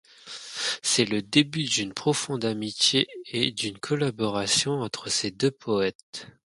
C'est le début d'une profonde amitié et d'une collaboration entre ces deux poètes.